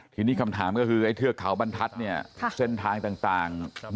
ทีนี้คำถามก็คือไอ้เถือกเผาบันทัศน์เนี้ยครับเส้นทางต่างต่าง